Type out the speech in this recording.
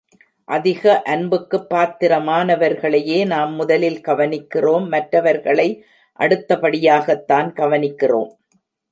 அதிக அன்புக்குப் பாத்திரமானவர்களையே நாம் முதலில் கவனிக்கிறோம் மற்றவர்களை அடுத்தபடியாகத்தான் கவனிக்கிறோம்.